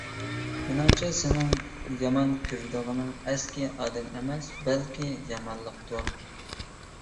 مېنىڭچە، سېنىڭ يامان كۆرىدىغىنىڭ ئەسكى ئادەم ئەمەس، بەلكى يامانلىقتۇر.